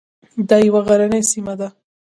دا یوه غرنۍ سیمه ده.